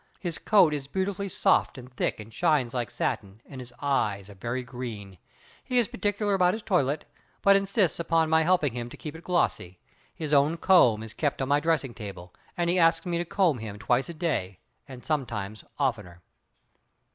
His coat is beautifully soft and thick, and shines like satin, and his eyes are very green. He is particular about his toilet, but insists upon my helping him to keep it glossy. His own comb is kept on my dressing table, and he asks me to comb him twice a day, and sometimes oftener.